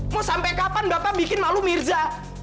mau sampai kapan bapak bikin malu mirza